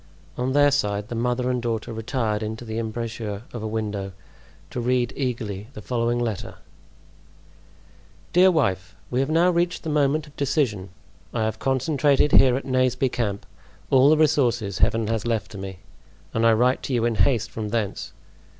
On their side the mother and daughter retired into the embrasure of a window to read eagerly the following letter: "Dear Wife,—We have now reached the moment of decision. I have concentrated here at Naseby camp all the resources Heaven has left me, and I write to you in haste from thence.